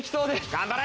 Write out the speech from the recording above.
頑張れ！